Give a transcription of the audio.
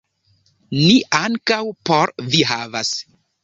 Ni ankaŭ por vi havas